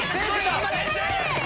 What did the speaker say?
頑張れ！